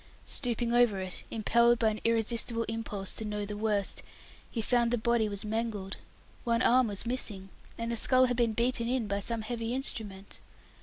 Stooping over it, impelled by an irresistible impulse to know the worst, he found the body was mangled. One arm was missing, and the skull had been beaten in by some heavy instrument!